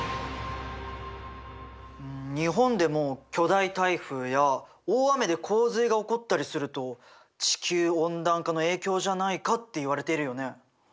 日本でも巨大台風や大雨で洪水が起こったりすると地球温暖化の影響じゃないかっていわれてるよね。